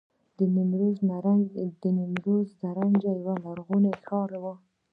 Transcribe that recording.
د نیمروز زرنج یو لرغونی ښار و